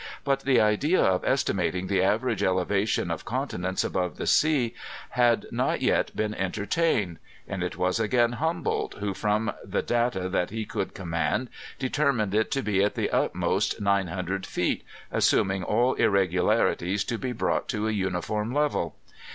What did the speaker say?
But the idea of estimating the average elevation of continents above the sea had not yet Deen entertained ; and it was again Hum boldt, who, from the data that he could command, determined it to be at the utmost? 900 feet, assuming all irregularities to be brought to a uniform level.